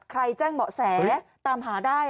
ใครแจ้งเหมาะแสตามหาได้